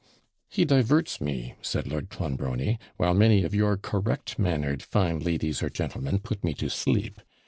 'He diverts me,' said Lord Clonbrony, 'while many of your correct mannered fine ladies or gentlemen put me to sleep.